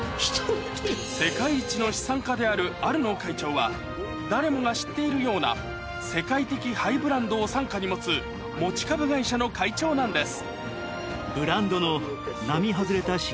世界一の資産家であるアルノー会長は誰もが知っているような世界的ハイブランドを傘下に持つ持ち株会社の会長なんです